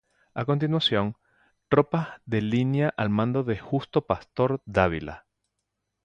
A continuación, tropas de línea al mando de Justo Pastor Dávila.